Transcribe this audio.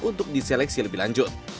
untuk diseleksi lebih lanjut